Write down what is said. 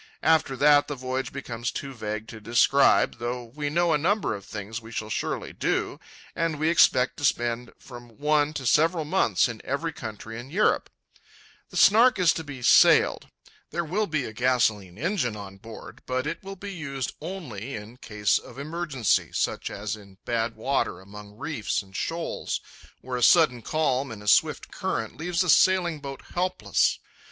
After that the voyage becomes too vague to describe, though we know a number of things we shall surely do, and we expect to spend from one to several months in every country in Europe. The Snark is to be sailed. There will be a gasolene engine on board, but it will be used only in case of emergency, such as in bad water among reefs and shoals, where a sudden calm in a swift current leaves a sailing boat helpless.